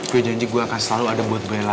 gue janji gue akan selalu ada buat bela